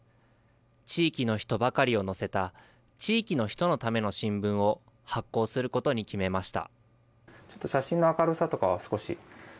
地域の人ばかりを載せた、地域の人のための新聞を発行することに決めました。